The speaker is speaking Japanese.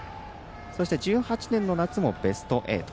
そして、１８年の夏もベスト８。